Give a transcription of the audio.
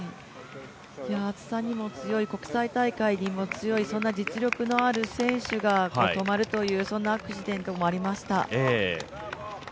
暑さにも強い、国際大会にも強い、そんな実力のある選手が止まるというそんなアクシデントもありました。